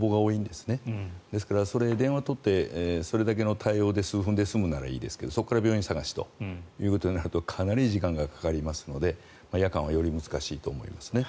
ですから、それで電話を取ってそれだけの対応で数分で済むならいいんですけどそこから病院探しということになるとかなり時間がかかりますので夜間はより難しいと思いますね。